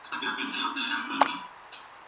ورکه ماشومتوبه! د نینو ترا راولېږه